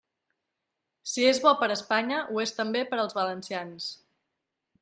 Si és bo per a Espanya, ho és també per als valencians.